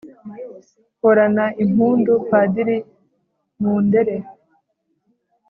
horana impundu padiri mundere